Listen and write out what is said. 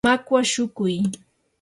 makwa shukuy.